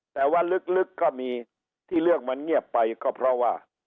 แต่ว่าลึกก็มีที่เรื่องมันเงียบไปก็เพราะว่า